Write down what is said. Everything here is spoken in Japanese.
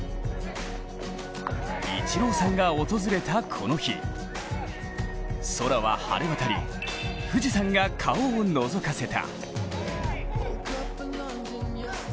イチローさんが訪れたこの日、空は晴れ渡り、富士山が顔をのぞかせた。